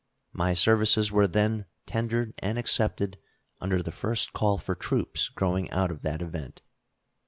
My services were then tendered and accepted under the first call for troops growing out of that event.